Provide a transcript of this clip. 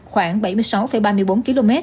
khoảng bảy mươi sáu ba mươi bốn km